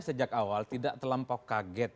sejak awal tidak terlampau kaget